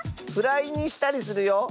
フライにしたりするよ。